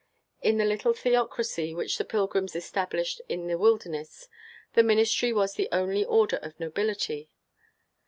In the little theocracy which the Pilgrims established in the wilderness, the ministry was the only order of nobility.